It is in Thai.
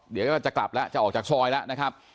เดี๋ยวก็จะกลับแล้วจะออกจากซอยแล้วนะครับ